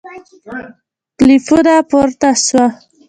کلیپونه پورته سوه